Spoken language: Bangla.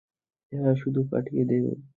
হ্যাঁ, শুধু পাঠিয়ে দেও।